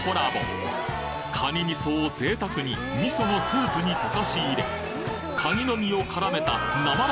味噌を贅沢に味噌のスープに溶かし入れカニの身を絡めたなまら